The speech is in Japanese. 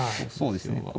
そうですね